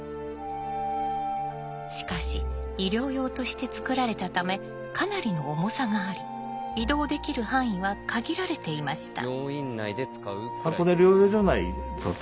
しかし医療用として作られたためかなりの重さがあり移動できる範囲は限られていました。